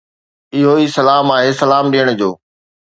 اهو ئي سلام آهي سلام ڏيڻ جو.